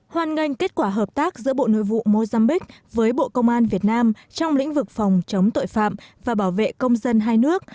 hoàn ngành kết quả hợp tác giữa bộ nội vụ mozambique với bộ công an việt nam trong lĩnh vực phòng chống tội phạm và bảo vệ công dân hai nước